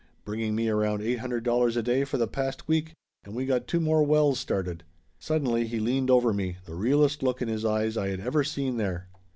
"Bringing me around eight hundred dollars a day for the past week. And we got two more wells started." Suddenly he leaned over me, the realest look in his eyes I had ever seen there.